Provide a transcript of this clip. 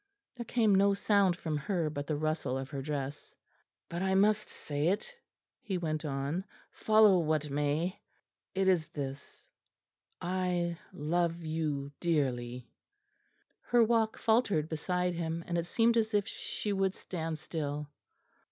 There came no sound from her, but the rustle of her dress. "But I must say it," he went on, "follow what may. It is this. I love you dearly." Her walk faltered beside him, and it seemed as if she would stand still.